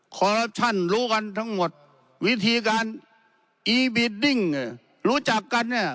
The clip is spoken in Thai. คอรัปชั่นรู้กันทั้งหมดวิธีการอีบีดดิ้งรู้จักกันเนี่ย